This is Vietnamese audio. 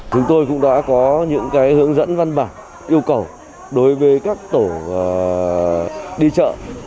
chúng tôi cũng đã có những hướng dẫn văn bản yêu cầu đối với các tổ đi chợ